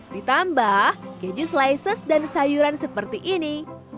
ditambah keju slices dan sayuran seperti ini